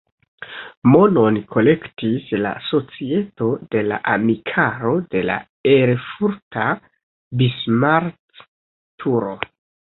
Monon kolektis la Societo de la amikaro de la erfurta Bismarck-turo.